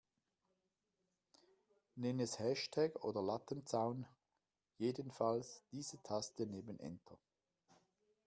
Nenn es Hashtag oder Lattenzaun, jedenfalls diese Taste neben Enter.